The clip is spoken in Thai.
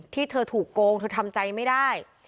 ที่เธอถูกโกงเธอทำใจไม่ได้